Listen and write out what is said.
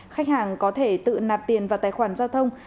khách hàng có thể tự nạp tiền vào tài khoản giao thông